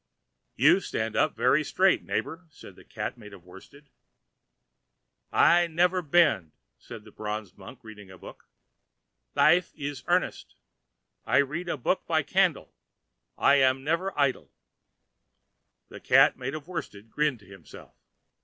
"You stand up very straight, neighbor," said the Cat made of worsted. "I never bend," said the bronze Monk reading a book. "Life is earnest. I read a book by candle. I am never idle." The Cat made of worsted grinned to himself.